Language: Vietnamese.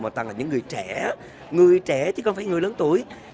mà toàn là những người trẻ người trẻ chứ không phải người lớn tuổi